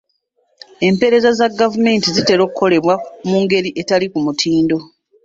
Empeereza za gavumenti zitera okukolebwa mu ngeri etali ku mutindo.